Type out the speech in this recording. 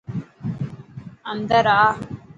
اندر آ.